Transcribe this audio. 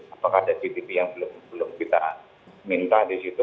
apakah ada cctv yang belum kita minta di situ